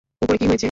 উপরে কী হয়েছে?